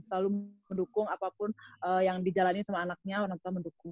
selalu mendukung apapun yang dijalani sama anaknya orang tua mendukung